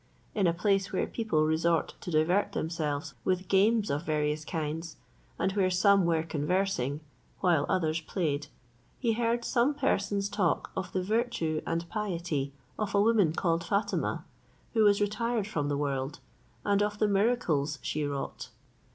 In a place where people resort to divert themselves with games of various kinds, and where some were conversing, while others played, he heard some persons talk of the virtue and piety of a woman called Fatima, who was retired from the world, and of the miracles she wrought.